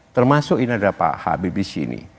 termasuk ini ada pak habib di sini